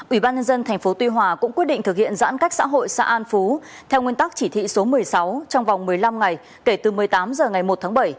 ủy ban nhân dân tp tuy hòa cũng quyết định thực hiện giãn cách xã hội xã an phú theo nguyên tắc chỉ thị số một mươi sáu trong vòng một mươi năm ngày kể từ một mươi tám h ngày một tháng bảy